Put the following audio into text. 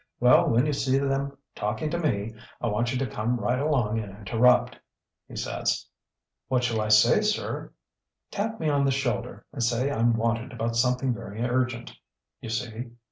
Well, when you see them talking to me, I want you to come right along and interrupt,' he says. "'What shall I say, sir?' "'Tap me on the shoulder, and say I'm wanted about something very urgent. You see?